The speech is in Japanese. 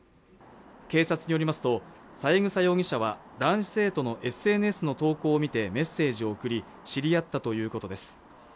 警察によりますと三枝容疑者は男子生徒のＳＮＳの投稿を見てメッセージを送り知り合ったということです